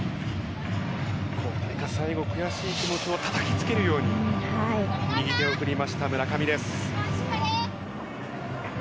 最後、悔しい気持ちをたたきつけるように右手を振りました、村上です。